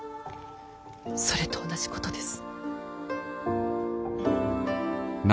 それと同じことです。